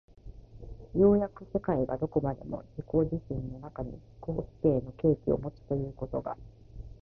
斯く世界がどこまでも自己自身の中に自己否定の契機をもつということが、